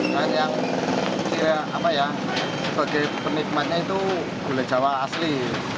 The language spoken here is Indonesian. dan yang saya apa ya sebagai penikmatnya itu gula jawa asli